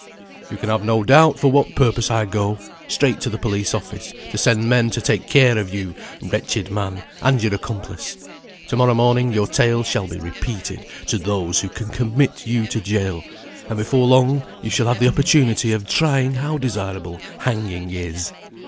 "You can have no doubt for what purpose I go. Straight to the police office, to send men to take care of you, wretched man, and your accomplice. To morrow morning your tale shall be repeated to those who can commit you to gaol, and before long you shall have the opportunity of trying how desirable hanging is."